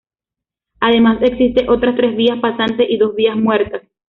Además, existe otra tres vía pasante y dos vías muertas.